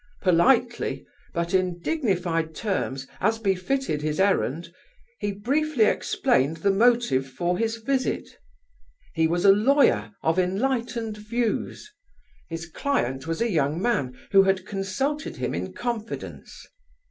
Politely, but in dignified terms, as befitted his errand, he briefly explained the motive for his visit. He was a lawyer of enlightened views; his client was a young man who had consulted him in confidence.